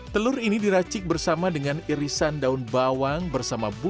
telur ini diracik bersama dengan irisan daun bawang bersama bumbu